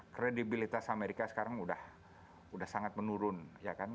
kredibilitas amerika sekarang sudah sangat menurun